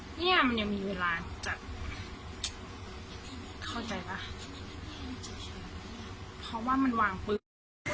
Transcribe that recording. เนี่ยมันยังมีเวลาจัดเข้าใจป่ะเพราะว่ามันวางปืน